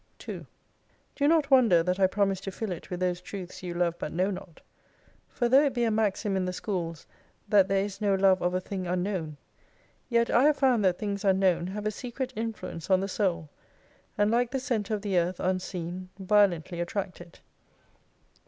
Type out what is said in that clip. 2 Do not wonder that I promise to fill it with those Truths you love but know not ; for though it be a maxim in the schools that there is no Love of a thitig unknown, yet I have found that things unknown have a secret influence on the soul, and like the centre of the earth unseen violently attract it.